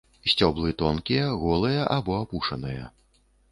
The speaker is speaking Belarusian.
Сцёблы тонкія, голыя або апушаныя.